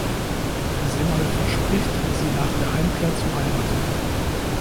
Simmerl verspricht, sie nach der Heimkehr zu heiraten.